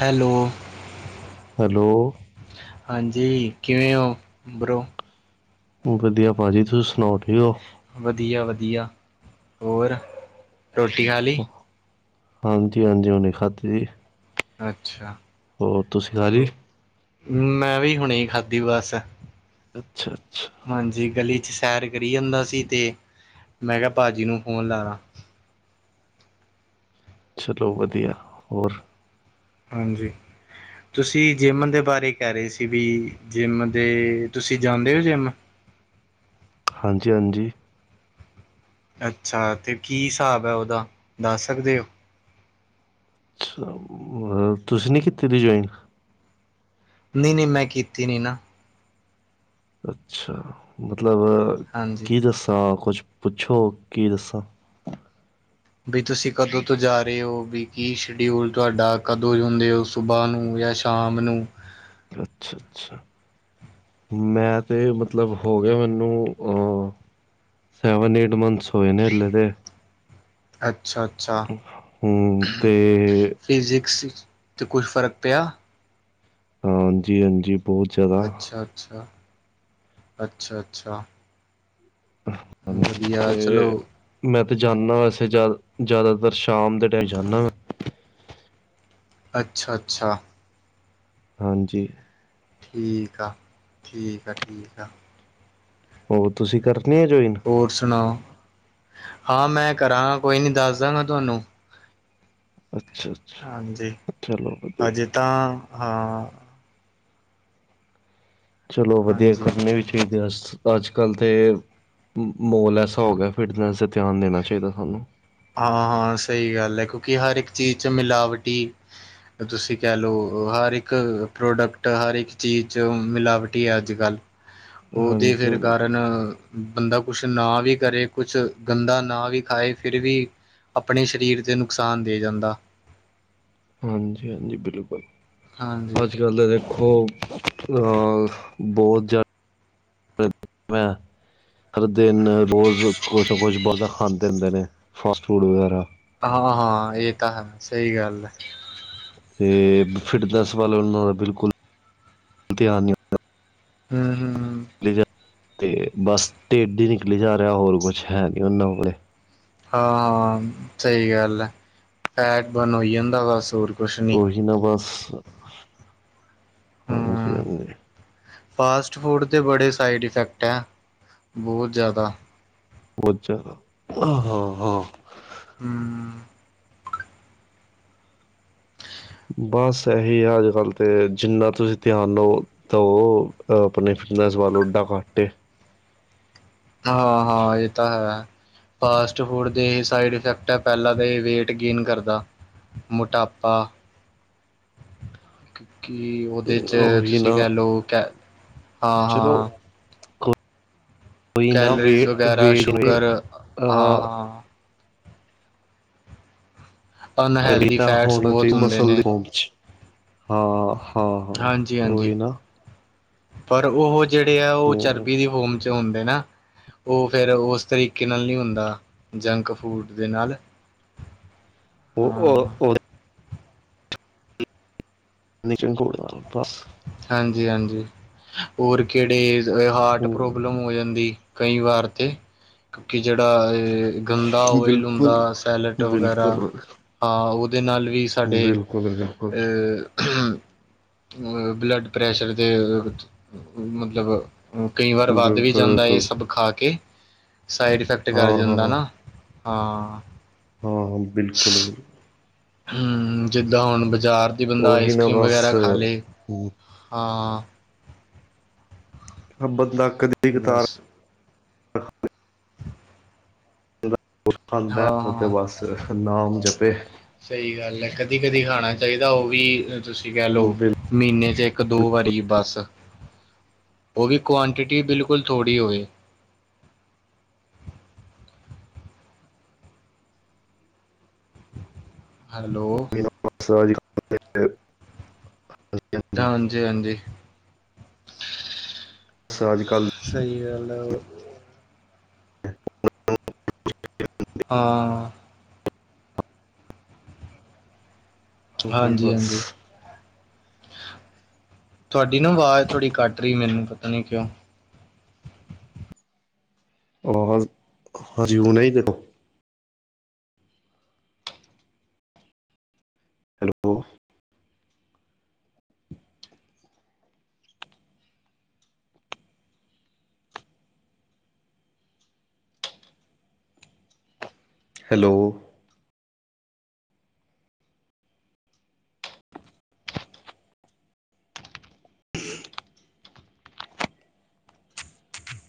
Hello hello ਹਾਂਜੀ ਕਿਵੇਂ ਹੋ ਬਰੋ ਵਧੀਆ ਭਾਜੀ ਤੁਸੀਂ ਸੁਣਾਓ ਠੀਕ ਹੋ। ਵਧੀਆ -ਵਧੀਆ ਹੋਰ ਰੋਟੀ ਖਾ ਲਈ। ਹਾਂਜੀ- ਹਾਂਜੀ ਹੁਣੇ ਖਾਧੀ ਜੀ। ਅੱਛਾ ਹੋਰ ਤੁਸੀ ਖਾ ਲਈ। ਮੈਂ ਵੀ ਹੁਣੇ ਖਾਧੀ ਬਸ ਅੱਛਾ -ਅੱਛਾ ਹਾਂਜੀ ਗਲੀ 'ਚ ਸੈਰ ਕਰੀ ਜਾਂਦਾ ਸੀ ਤੇ ਮੈਂ ਕਿਹਾ ਭਾਜੀ ਨੂੰ ਫੋਨ ਲਾ ਲਾ। ਚਲੋ ਵਧੀਆ ਹੋਰ। ਹਾਂਜੀ ਤੁਸੀ ਜਿੰਮ ਦੇ ਬਾਰੇ ਕਹਿ ਰਹੇ ਸੀ ਵੀ ਜਿੰਮ ਦੇ ਤੁਸੀ ਜਾਂਦੇ ਹੋ ਜਿੰਮ ਹਾਂਜੀ- ਹਾਂਜੀ ਅੱਛਾ ਤੇ ਕੀ ਹਿਸਾਬ ਹੈ ਉਹਦਾ ਦੱਸ ਸਕਦੇ ਹੋ। ਅੱਛਾ ਤੁਸੀ ਨਹੀਂ ਕੀਤੀ ਕਦੀ ਜੁਆਇਨ ਨਹੀਂ- ਨਹੀਂ ਮੈਂ ਕੀਤੀ ਨੀ ਨਾ। ਅੱਛਾ ਮਤਲਬ ਹਾਂਜੀ ਕੀ ਦੱਸਾਂ ਕੁਛ ਪੁੱਛੋ ਕੀ ਦੱਸਾਂ। ਵੀ ਤੁਸੀ ਕਦੋਂ ਤੋਂ ਜਾ ਰਹੇ ਹੋ ਵੀ ਕੀ ਸ਼ਡਿਊਲ ਤੁਹਾਡਾ ਕਦੋਂ ਹੁੰਦੇ ਹੋ। ਸੁਬਾਹ ਨੂੰ ਜਾਂ ਸ਼ਾਮ ਨੂੰ ਅੱਛਾ -ਅੱਛਾ ਮੈਂ ਤੇ ਮਤਲਬ ਹੋ ਗਿਆ ਮੈਨੂੰ ਅਹ ਸੈਵਨ ਏਟ ਮੰਥਸ ਹੋੋਏ ਨੇ ਹਲੇ ਤੇ ਅੱਛਾ ਅੱਛਾ ਹੂੰ ਤੇ ਫਿਜਿਕਸ ਤੇ ਕੁਛ ਫਰਕ ਪਿਆ। ਹਾਂਜੀ-ਹਾਂਜੀ ਬਹੁਤ ਜ਼ਿਆਦਾ ਅੱਛਾ- ਅੱਛਾ -ਅੱਛਾ -ਅੱਛਾ। [inaudible] ਹਾਂਜੀ ਵਧੀਆ ਚਲੋ ਤੇੇ। ਮੈਂ ਤੇ ਜਾਣਾ ਵੈਸੇ ਜ਼ਿਆਦਾਤਰ ਸ਼ਾਮ ਦੇ ਟਾਈਮ ਜਾਣਾ। ਅੱਛਾ- ਅੱਛਾ ਹਾਂਜੀ ਠੀਕ ਆ, ਠੀਕ ਆ, ਠੀਕ ਆ। ਹੋਰ ਤੁਸੀਂ ਕਰਨੀ ਆ ਜੁਆਇਨ। ਹੋਰ ਸੁਣਾਓ ਹਾਂ ਮੈਂ ਕਰਾਂਗਾ ਕੋਈ ਨੀ ਦੱਸ ਦਾਂਗਾ ਤੁਹਾਨੂੰ। ਅੱਛਾ। ਅੱਛਾ ਹਾਂਜੀ। ਚਲੋ ਵਧੀਆ ਹਜੇ ਤਾਂ ਹਾਂ। ਚਲੋ ਵਧੀਆ ਹਾਂਜੀ ਕਰਨੀ ਵੀ ਚਾਹੀਦੇ ਆ। ਅੱਜ ਕੱਲ੍ਹ ਤੇ ਮਾਹੌਲ ਐਸਾ ਹੋ ਗਿਆ ਫਿਟਨੈਸ 'ਤੇ ਧਿਆਨ ਦੇਣਾ ਚਾਹੀਦਾ ਸਾਨੂੰ। ਹਾਂ- ਹਾਂ ਸਹੀ ਗੱਲ ਹੈ। ਕਿਉਂਕਿ ਹਰ ਇੱਕ ਚੀਜ਼ 'ਚ ਮਿਲਾਵਟ ਹੀ। ਤੁਸੀਂ ਕਹਿ ਲਓ ਹਰ ਇੱਕ ਪ੍ਰੋਡਕਟ ਹਰ ਇੱਕ ਚੀਜ਼ 'ਚ ਮਿਲਾਵਟੀ ਹੈ ਅੱਜ ਕੱਲ੍ਹ। ਉਹਦੇ ਹਾਂਜੀ ਫਿਰ ਹਾਂਜੀ ਕਾਰਨ। ਬੰਦਾ ਕੁਛ ਨਾ ਵੀ ਕਰੇ ਕੁਛ ਬਂਦਾ ਨਾ ਵੀ ਖਾਏ। ਫਿਰ ਵੀ ਆਪਣੇ ਸਰੀਰ ਤੇ ਨੁਕਸਾਨ ਦੇ ਜਾਂਦਾ। ਹਾਂਜੀ -ਹਾਂਜੀ। ਬਿਲਕੁਲ ਹਾਂਜੀ ਅੱਜ ਕੱਲ੍ਹ ਤਾਂ ਦੇਖੋ। ਉਹ ਹਾਂ ਬਹੁਤ ਜ਼ਿਆਦਾ। ਹਰ ਦਿਨ ਰੋਜ਼ ਕੁਛ ਨਾ ਕੁਛ ਬਾਹਰ ਦਾ ਖਾਂਦੇ ਹੁੰਦੇ ਨੇ ਫਾਸਟ ਫੂਡ ਵਗੈਰਾ। ਹਾਂ- ਹਾਂ ਇਹ ਤਾਂ ਹੈ ਸਹੀ ਗੱਲ ਹੈ। ਤੇ ਫਿਟਨਸ ਵੱਲ ਉਹਨਾਂ ਦਾ ਬਿਲਕੁਲ ਧਿਆਨ ਨਹੀਂ ਹੈ। ਹਮ ਹਮ ਹਮ ਤੇ ਬਸ ਢੇਡ ਹੀ ਨਿਕਲੀ ਜਾ ਰਿਹਾ ਹੋਰ ਕੁਛ ਹੈ ਨੀ ਉਹਨਾਂ ਕੋਲੇ। ਹਾਂ। ਸਹੀ ਗੱਲ ਆ ਫੈਟ ਬਰਨ ਹੋ ਜਾਂਦਾ ਹੋਰ ਕੁਛ ਨੀ। ਉਹੀ ਨਾ ਬਸ ਹਾਜੀ - ਹਾਂਜੀ। ਫਸਟ ਫੂਡ ਦੇ ਬੜੇ ਸਾਈਡ ਇਫੈਕਟ ਹੈ ਬਹੁਤ ਜ਼ਿਆਦਾ। ਅੱਛਾ ਹਾਂ - ਹਾਂ। ਹਮ ਬਸ ਇਹੀ ਆ ਅੱਜ ਕੱਲ੍ਹ ਤਾਂ ਜਿੰਨਾ ਤੁਸੀਂ ਧਿਆਨ ਲਓ। ਤਾਂ ਉਹ ਆਪਣੇ ਫਿਟਨਸ ਵਾਲੋਂ ਡਕਾਟੇ ਹਾਂ- ਹਾਂ ਇਹ ਤਾਂ ਹੈ। ਫਾਸਟ ਫੂਡ ਦੇ ਇਹ ਸਾਈਡ ਇਫੈਕਟ ਹੈ ਪਹਿਲਾਂ ਤਾਂ ਇਹ ਵੇਟ ਗੇਨ ਕਰਦਾ। ਮੋਟਾਪਾ ਕਿ ਉਹਦੇ ਚ ਉਹੀ ਨਾ ਤੁਸੀਂ ਕਹਿ ਲਓ ਹਾਂ ਚਲੋ ਹਾਂ ਕੋਈ ਨਾ ਵੇ ਕੈਲਰੀਜ਼ ਵਗੈਰਾ ਵੇਟ ਸ਼ੂਗਰ ਹਾਂ - ਅਹ ਹਾਂ। ਚਰਬੀ ਅਨਹੈਲਦੀ ਤਾਂ ਫੈਟਸ ਹੋਣਾ ਬਹੁਤ ਚਾਹੀਦਾ ਹੁੰਦੇ ਮਸਲ ਦੀ ਨੇ ਹਾਂ। ਹਾਂ ਹਾਂ ਹਾਂਜੀ -ਹਾਂਜੀ ਉਹੀ ਨਾ ਪਰ ਉਹ ਜਿਹੜੇ ਆ ਉਹ ਹੂੰ ਚਰਬੀ ਦੀ ਬੋਂਨ ਚ ਹੁੰਦੇ ਨਾ। ਉਹ ਫਿਰ ਉਸ ਤਰੀਕੇ ਨਾਲ ਨਹੀਂ ਹੁੰਦਾ ਜੰਕ ਫੂਡ ਦੇ ਨਾਲ [inaudible] ਉਹ ਉਹ [inaudible] ਹਾਂਜੀ -ਹਾਂਜੀ ਹੋਰ ਕਿਹੜੇ ਹਾਰਟ ਹੂੰ ਪ੍ਰੋਬਲਮ ਹੋ ਜਾਂਦੀ। ਕਈ ਵਾਰ ਤੇ ਜਿਹੜਾ ਇਹ ਗੰਦਾ ਓਇਲ ਬਿਲਕੁਲ ਹੁੰਦਾ ਸੈਲਟ ਵਗੈਰਾ ਬਿਲਕੁਲ ਹਾਂ ਉਹਦੇ ਨਾਲ ਵੀ ਸਾਡੇ ਬਿਲਕੁਲ ਬਿਲਕੁਲ ਬਲੱਡ ਪ੍ਰੈਸ਼ਰ ਦੇ ਮਤਲਬ ਕਈ ਵਾਰ ਵੱਧ ਵੀ ਬਿਲਕੁਲ ਜਾਂਦਾ ਬਿਲਕੁਲ ਇਹ ਸਭ ਖਾ ਕੇ ਸਾਈਡ ਇਫੈਕਟ ਕਰ ਹਾਂ ਜਾਂਦਾ ਨਾ। ਹਾਂ। ਹਾਂ -ਹਾਂ ਬਿਲਕੁਲ- ਬਿਲਕੁਲ। ਜਿੱਦਾਂ ਹੁਣ ਬਜ਼ਾਰ ਦੀ ਬੰਦਾ ਉਹੀ ਨਾ ਆਈਸਕ੍ਰੀਮ ਬਸ ਵਗੈਰਾ ਖਾ ਲਏ ਹਮ, ਹਾਂ ਹ ਬੰਦਾ ਕਦੀ ਬਸ। ਕਤਾਰ ਕੁਛ ਖਾਂਦਾ ਹਾਂ ਉਹ ਤੇ ਹਾਂ ਬਸ ਨਾਮ ਜਪੇ ਸਹੀ ਗੱਲ ਹੈ ਕਦੀ -ਕਦੀ ਖਾਣਾ ਚਾਹੀਦਾ ਉਹ ਵੀ ਤੁਸੀਂ ਕਹਿ ਲਓ। ਬਿਲ ਮਹੀਨੇ 'ਚ ਇੱਕ ਦੋ ਵਾਰੀ ਬਸ ਉਹ ਵੀ ਕੁਆਂਟਿਟੀ ਬਿਲਕੁਲ ਥੋੜ੍ਹੀ ਹੋਵੇ। ਹੈਲੋ [unintelligible] ਹਾਂਜੀ-ਹਾਂਜੀ ਸ ਅੱਜ ਕੱਲ ਸਹੀ ਗੱਲ ਏ। [inaudible] ਹਾਂ ਉਹੀ ਹਾਂਜੀ ਬਸ -ਹਾਂਜੀ ਤੁਹਾਡੀ ਨਾ ਆਵਾਜ਼ ਥੋੜੀ ਕੱਟ ਰਹੀ ਮੈਨੂੰ ਪਤਾ ਨੀ ਕਿਉਂ ਔਰ ਹਰੀ ਓ ਨਹੀਂ ਹੀ ਦੇਖ ਹੈਲੋ ਹੈਲੋ